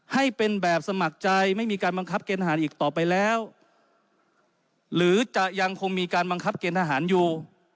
ให้เป็นแบบสมัครใจไม่มีการบังคับเกณฑหารอีกต่อไปแล้วหรือจะยังคงมีการบังคับเกณฑหารอยู่